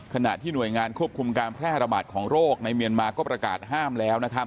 ขณะที่หน่วยงานควบคุมการแพร่ระบาดของโรคในเมียนมาก็ประกาศห้ามแล้วนะครับ